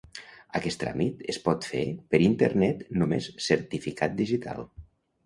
Aquest tràmit es pot fer per internet només certificat digital.